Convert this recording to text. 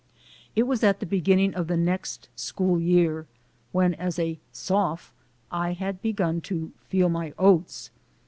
It was at the beginning of the next school year, when as a "soph" I had begun to "feel my oats."